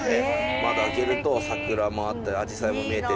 窓開けると桜もあったりアジサイも見えてっていう。